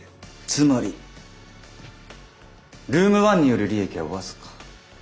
つまりルーム１による利益は僅か２％。